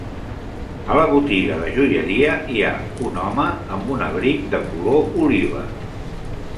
A la botiga de joieria hi ha un home amb un abric de color oliva.